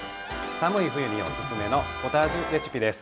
寒い冬におすすめのポタージュレシピです。